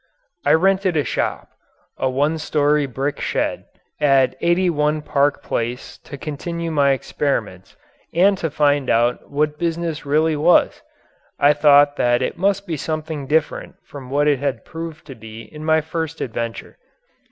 I rented a shop a one story brick shed at 81 Park Place to continue my experiments and to find out what business really was. I thought that it must be something different from what it had proved to be in my first adventure.